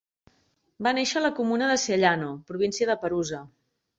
Va néixer a la comuna de Sellano, província de Perusa.